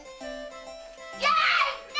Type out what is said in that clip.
やった！